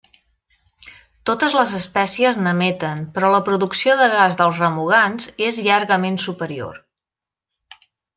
Totes les espècies n'emeten, però la producció de gas dels remugants és llargament superior.